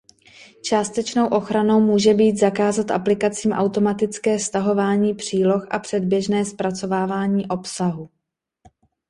Částečnou ochranou může být zakázat aplikacím automatické stahování příloh a předběžné zpracovávání obsahu.